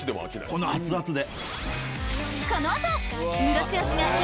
この熱々で。